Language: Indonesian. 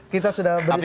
kita sudah berdiskusi